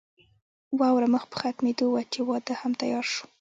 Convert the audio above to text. واوره مخ په ختمېدو وه چې واده هم تيار شو.